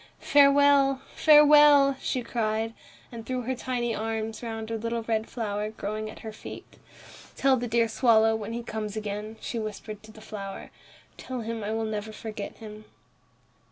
"Farewell, farewell!" she cried, and threw her tiny arms round a little red flower growing at her feet. "Tell the dear swallow, when he comes again," she whispered to the flower, "tell him I will never forget him."